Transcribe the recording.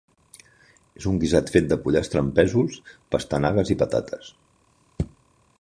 És un guisat fet de pollastre amb pèsols, pastanagues i patates.